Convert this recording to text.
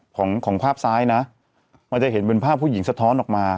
ของของภาพซ้ายนะมันจะเห็นเป็นภาพผู้หญิงสะท้อนออกมา